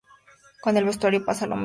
Con el vestuario pasa lo mismo.